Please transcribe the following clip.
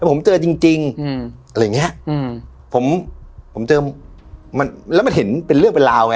ผมเจอจริงจริงอืมอะไรอย่างเงี้ยอืมผมผมเจอมันแล้วมันเห็นเป็นเรื่องเป็นราวไง